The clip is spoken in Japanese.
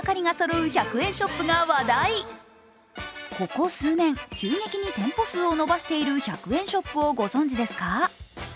ここ数年、急激に店舗数を伸ばしている１００円ショップをご存じですか？